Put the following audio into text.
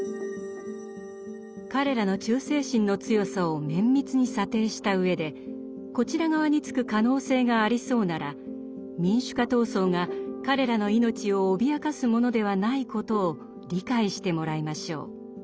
彼らの忠誠心の強さを綿密に査定したうえでこちら側につく可能性がありそうなら民主化闘争が彼らの命を脅かすものではないことを理解してもらいましょう。